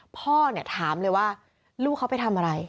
พ่อเนี่ยถามเลยว่าลูกเขาไปทำอะไร